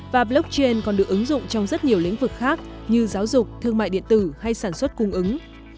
và blockchain còn được ứng dụng trong rất nhiều lĩnh vực khác như giáo dục thương mại điện tử hay sản xuất cung ứng